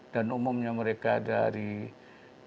dan umumnya mereka dari toko